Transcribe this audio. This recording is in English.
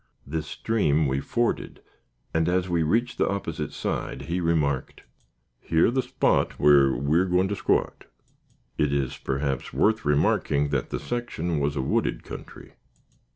This stream we forded, and, as we reached the opposite side, he remarked: "Yer' the spot whar we're goin' to squat." It is perhaps worth remarking that the section was a wooded country.